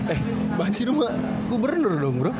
eh banjir gak gubernur dong bro